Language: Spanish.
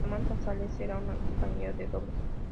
Samantha Salas era su compañero de dobles.